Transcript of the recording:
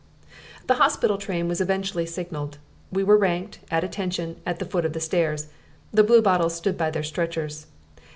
The hospital train was eventually signalled. We were ranked, at attention, at the foot of the stairs. The Bluebottles stood by their stretchers.